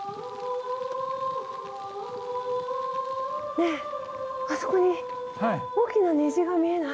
ねえあそこに大きな虹が見えない？